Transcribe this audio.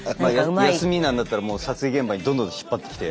休みなんだったらもう撮影現場にどんどん引っ張ってきて。